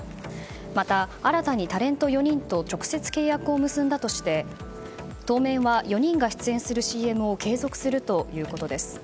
また、新たにタレント４人と直接契約を結んだとして当面は４人が出演するＣＭを継続するということです。